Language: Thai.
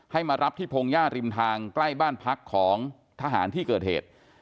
มารับที่พงหญ้าริมทางใกล้บ้านพักของทหารที่เกิดเหตุ